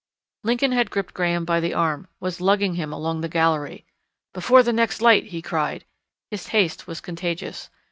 Lincoln had gripped Graham by the arm, was lugging him along the gallery. "Before the next light!" he cried. His haste was contagious.